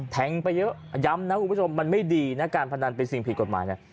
งไปเยอะย้ำนะคุณผู้ชมมันไม่ดีนะการพนันเป็นสิ่งผิดกฎหมายนะ